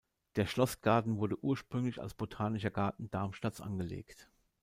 Der Schlossgarten wurde ursprünglich als botanischer Garten Darmstadts angelegt.